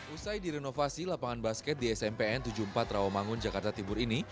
usai direnovasi lapangan basket di smpn tujuh puluh empat rawamangun jakarta timur ini